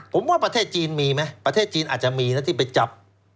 ผมว่าประเทศจีนมีไหมประเทศจีนอาจจะมีนะที่ไปจับ